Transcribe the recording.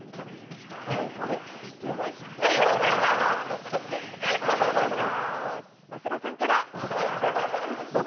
まずはじゃあ増田さんから僕？